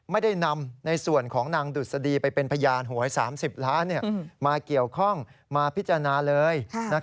ไม่ได้นำในส่วนของนางดุษฎีไปเป็นพยานหวย๓๐ล้านมาเกี่ยวข้องมาพิจารณาเลย